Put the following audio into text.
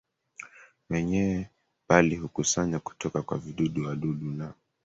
wenyewe bali hukusanya kutoka kwa vidudu wadudu na